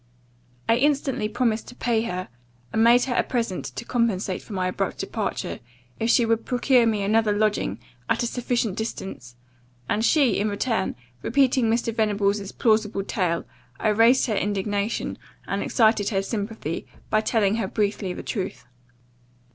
I instantly promised to pay her, and make her a present to compensate for my abrupt departure, if she would procure me another lodging, at a sufficient distance; and she, in return, repeating Mr. Venables' plausible tale, I raised her indignation, and excited her sympathy, by telling her briefly the truth.